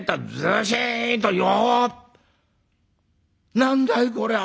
何だいこりゃあ。